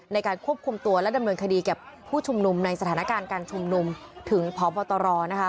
ในการควบคุมตัวและดำเนินคดีกับผู้ชุมนุมในสถานการณ์การชุมนุมถึงพบตรนะคะ